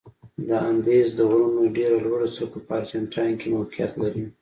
د اندیز د غرونو ډېره لوړه څوکه په ارجنتاین کې موقعیت لري.